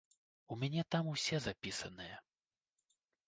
У мяне там усе запісаныя.